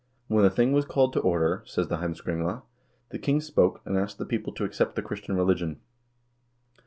When the thing was called to order, says the "Heimskringla," the king spoke, and asked the people to accept the Christian religion.